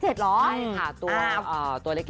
ใช่ค่ะตัวเล็ก